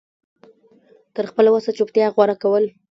تر خپله وسه چوپتيا غوره کول